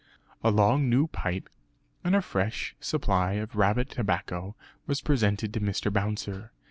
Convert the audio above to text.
A long new pipe and a fresh supply of rabbit tobacco was presented to Mr. Bouncer.